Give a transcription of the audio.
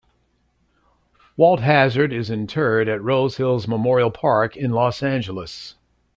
Walt Hazzard is interred at Rose Hills Memorial Park in Los Angeles.